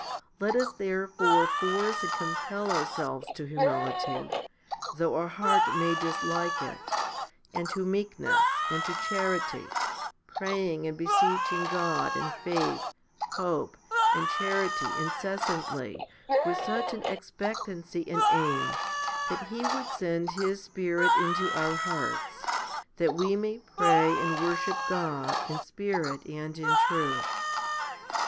Let us therefore force and compel ourselves to humility, though our heart may dislike it, and to meekness, and to charity, praying and beseeching God in faith, hope, and 1 Ps. cxix. 128. 162 FIFTY SPIRITUAL HOMILIES charity incessantly with such an expectancy and aim, that He would send His Spirit into our hearts, that we may pray and worship God in spirit and in truth, 1 9.